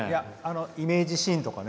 イメージシーンとかね。